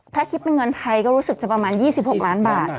ถ้าคิดเป็นเงินไทยก็รู้สึกจะประมาณ๒๖ล้านบาท